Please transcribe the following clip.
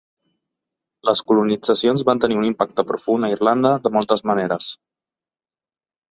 Les colonitzacions van tenir un impacte profund a Irlanda de moltes maneres.